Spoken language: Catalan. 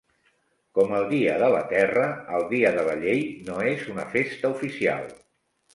Com el dia de la Terra, el Dia de la Llei no és una festa oficial.